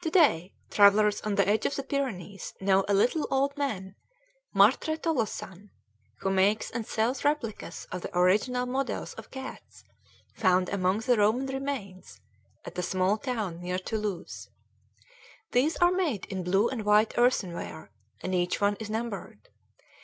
To day, travellers on the edge of the Pyrenees know a little old man, Martre Tolosan, who makes and sells replicas of the original models of cats found among the Roman remains at a small town near Toulouse. These are made in blue and white earthenware and each one is numbered.